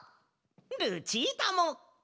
ルチータも。